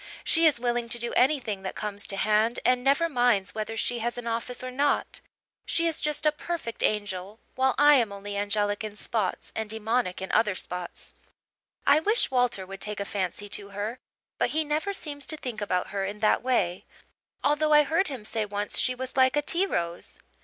She is willing to do anything that comes to hand and never minds whether she has an office or not. She is just a perfect angel, while I am only angelic in spots and demonic in other spots. I wish Walter would take a fancy to her, but he never seems to think about her in that way, although I heard him say once she was like a tea rose.